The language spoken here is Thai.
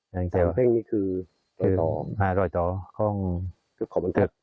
สามแพร่งนี่คือรอยต่ออ่ารอยต่อของเกิดขอบค์บันทัศน์